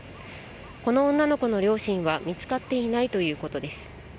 この女の子の両親は見つかっていないということです。